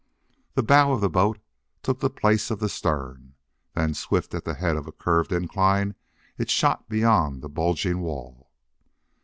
The bow of the boat took the place of the stern. Then swift at the head of a curved incline it shot beyond the bulging wall.